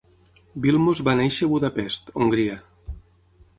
Vilmos va néixer a Budapest, Hongria.